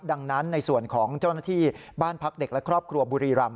ดังนั้นในส่วนของเจ้าหน้าที่บ้านพักเด็กและครอบครัวบุรีรำ